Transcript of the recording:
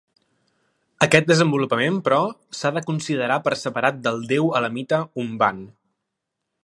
Aquest desenvolupament, però, s'ha de considerar per separat del déu elamita Humban.